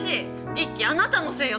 イッキあなたのせいよ。